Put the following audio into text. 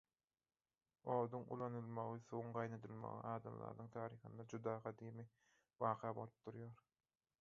Oduň ulanylmagy, suwuň gaýnadylmagy adamzadyň taryhynda juda gadymy waka bolup durýar.